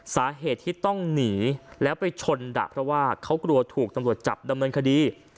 สาเหตุที่ต้องหนีแล้วไปชนดะเพราะว่าเขากลัวถูกตำรวจจับดำเนินคดี